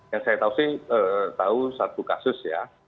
yang saya tahu sih tahu satu kasus ya